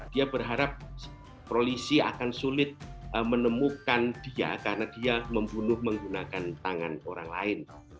dia berharap polisi akan sulit menemukan dia karena dia membunuh menggunakan tangan orang lain